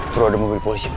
tunggu ada mobil polisi bro